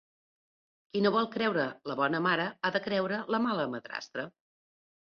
Qui no vol creure la bona mare, ha de creure la mala madrastra.